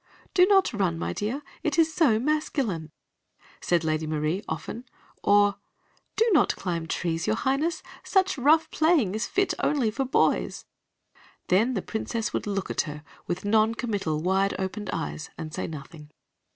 "Do not run, my dear it is so masculine," said Lady Marie, often; or "Do not climb trees, your Highness such rough playing is fit only for boys." Then the Princess would look at her with non committal, wide opened eyes and say nothing.